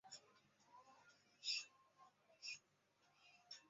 前传是原作品衍生作品的一种。